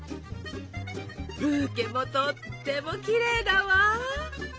ブーケもとってもきれいだわ！